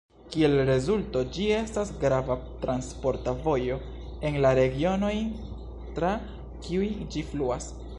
Kiel rezulto, ĝi estas grava transporta vojo en la regionoj tra kiuj ĝi fluas.